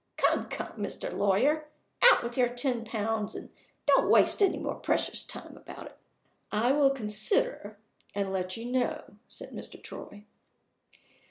Come, come, Mr. Lawyer! out with your ten pounds, and don't waste any more precious time about it!" "I will consider and let you know," said Mr. Troy.